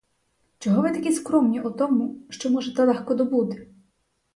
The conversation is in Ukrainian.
Чого ви такі скромні у тому, що можете легко добути?